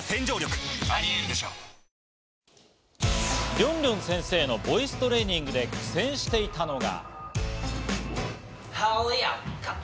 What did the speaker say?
りょんりょん先生のボイストレーニングで苦戦していたのが。